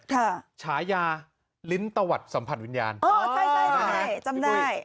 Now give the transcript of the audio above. ฉายาลิ้นตะวัดสัมผัสวิญญาณอ๋อใช่ใช่จำได้